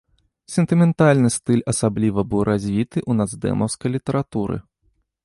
Сентыментальны стыль асабліва быў развіты ў нацдэмаўскай літаратуры.